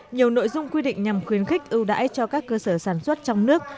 nhiều nội dung quy định nhằm khuyến khích ưu đãi cho các cơ sở sản xuất trong nước